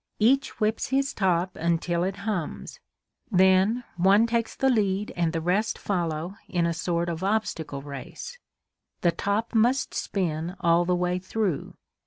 Each whips his top until it hums; then one takes the lead and the rest follow in a sort of obstacle race. The top must spin all the way through.